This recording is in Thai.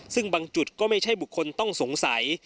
ซึ่งบางจุดก็ไม่ใช่บุคคลต้องสงสัย